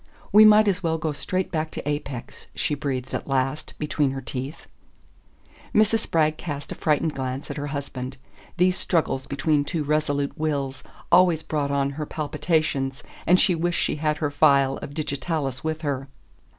"We might as well go straight back to Apex," she breathed at last between her teeth. Mrs. Spragg cast a frightened glance at her husband. These struggles between two resolute wills always brought on her palpitations, and she wished she had her phial of digitalis with her.